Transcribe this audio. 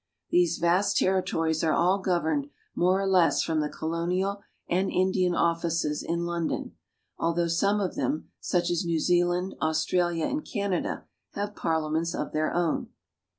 These vast territories are all governed more or less from the Colonial and Indian Offices in London, although some of them, such as New Zealand, Australia, and Canada, have parliaments of their own.